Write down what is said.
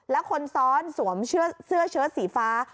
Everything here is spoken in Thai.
แล้วคนซ้อนสวมเสื้อเชิดสีฟ้า